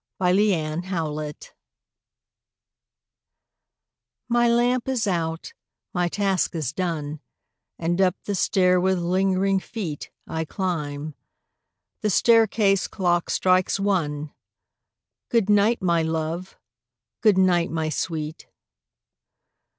A LATE GOOD NIGHT My lamp is out, my task is done, And up the stair with lingering feet I climb. The staircase clock strikes one. Good night, my love! good night, my sweet!